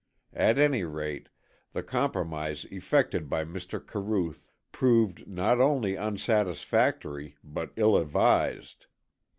At any rate, the compromise effected by Mr. Caruth proved not only unsatisfactory, but ill advised.